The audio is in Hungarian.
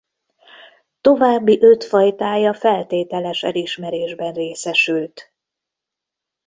További öt fajtája feltételes elismerésben részesült.